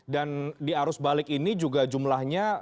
dan di arus balik ini juga jumlahnya